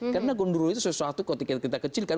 karena gondoruo itu sesuatu kalau kita kecil kan